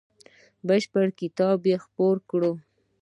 بشپړ کتاب یې خپور کړ.